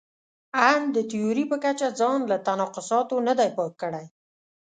ان د تیوري په کچه ځان له تناقضاتو نه دی پاک کړی.